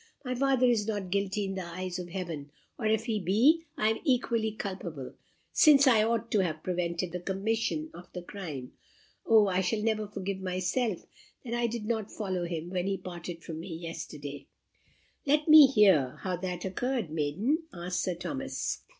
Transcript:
My father is not guilty in the eyes of Heaven; or if he be, I am equally culpable, since I ought to have prevented the commission of the crime. O, I shall never forgive myself that I did not follow him when he parted from me yesterday!" "Let me hear how that occurred, maiden?" asked Sir Thomas.